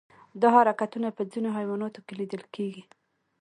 دا حرکتونه په ځینو حیواناتو کې لیدل کېږي.